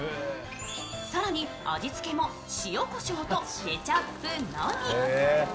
更に味付けも塩こしょうとケチャップのみ。